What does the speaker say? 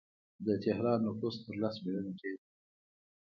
د تهران نفوس تر لس میلیونه ډیر دی.